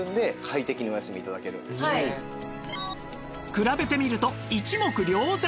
比べてみると一目瞭然